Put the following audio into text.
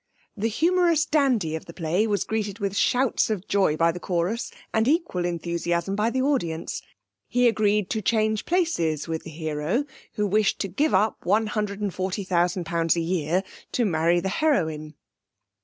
The humorous dandy of the play was greeted with shouts of joy by the chorus and equal enthusiasm by the audience. He agreed to change places with the hero, who wished to give up one hundred and forty thousand pounds a year to marry the heroine.